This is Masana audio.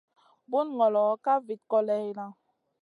Bunu ŋolo ka vit kòleyna.